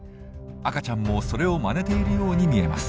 赤ちゃんもそれをまねているように見えます。